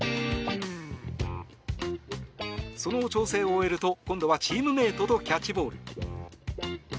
その調整を終えると今度はチームメートとキャッチボール。